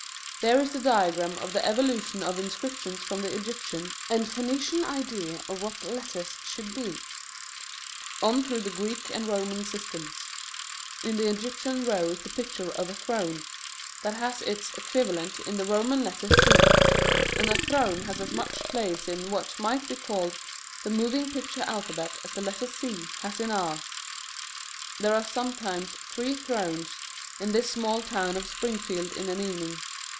There is the diagram of the evolution of inscriptions from the Egyptian and Phoenician idea of what letters should be, on through the Greek and Roman systems. In the Egyptian row is the picture of a throne, that has its equivalent in the Roman letter C. And a throne has as much place in what might be called the moving picture alphabet as the letter C has in ours. There are sometimes three thrones in this small town of Springfield in an evening.